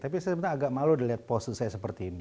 tapi saya sebenarnya agak malu dilihat pose saya seperti ini